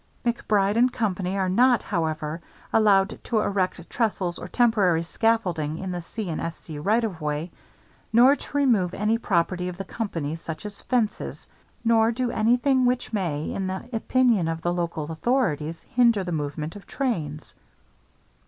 "MacBride & Company are not, however, allowed to erect trestles or temporary scaffolding in the C. & S. C. right of way, nor to remove any property of the Company, such as fences, nor to do anything which may, in the opinion of the local authorities, hinder the movement of trains."